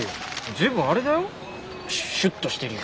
随分あれだよシュッとしてるよ。